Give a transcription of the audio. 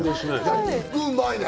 肉うまいね。